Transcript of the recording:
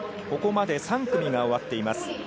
ここまで３組が終わっています。